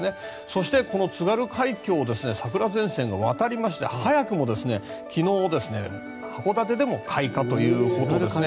そして、この津軽海峡を桜前線が渡りまして早くも昨日、函館でも開花ということです。